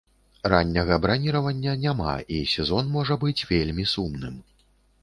Ранняга браніравання няма, і сезон можа быць вельмі сумным.